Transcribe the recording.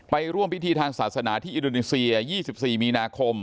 ร่วมพิธีทางศาสนาที่อินโดนีเซีย๒๔มีนาคม